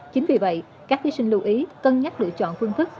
chính vì vậy các thí sinh lưu ý cân nhắc lựa chọn phương thức